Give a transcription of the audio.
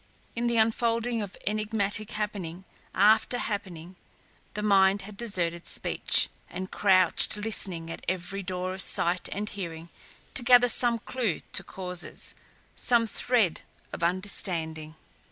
In the unfolding of enigmatic happening after happening the mind had deserted speech and crouched listening at every door of sight and hearing to gather some clue to causes, some thread of understanding.